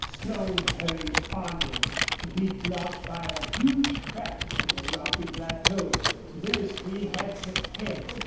Slone hurried onward, to be blocked by a huge crack in the rocky plateau. This he had to head.